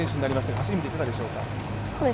走り見て、いかがでしょうか？